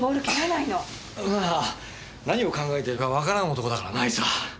まあ何を考えてるかわからん男だからなあいつは。